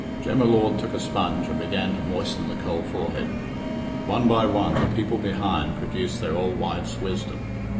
Jem y Lord took a sponge and began to moisten the cold forehead. One by one the people behind produced their old wife's wisdom.